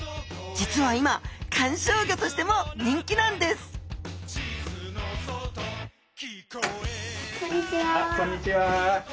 実は今観賞魚としても人気なんですこんにちは。